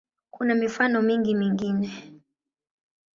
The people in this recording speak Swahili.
Kuna mifano mingi mingine.